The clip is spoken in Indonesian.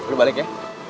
lu balik ya